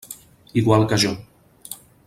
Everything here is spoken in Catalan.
Igual que jo.